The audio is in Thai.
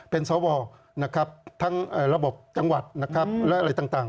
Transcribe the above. เป็นสวนะครับทั้งระบบจังหวัดนะครับและอะไรต่าง